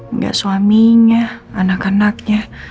enggak suaminya anak anaknya